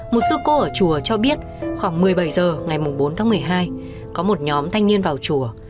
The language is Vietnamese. một sư cô ở chùa cho biết khoảng một mươi bảy h ngày bốn tháng một mươi hai có một nhóm thanh niên vào chùa